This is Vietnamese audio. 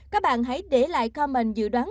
các bạn hãy để lại comment dự đoán